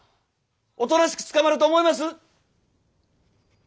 おとなしく捕まると思います？